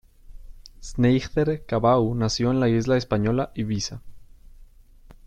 Sneijder-Cabau nació en la isla española Ibiza.